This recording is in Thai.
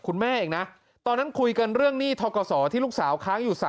คุณแม่เองนะตอนนั้นคุยกันเรื่องหนี้ทกศที่ลูกสาวค้างอยู่๓๐๐